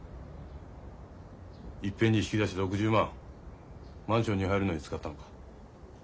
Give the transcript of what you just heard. いっぺんに引き出した６０万マンションに入るのに使ったのか。